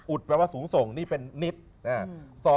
แปลว่าสูงส่งนี่เป็นนิด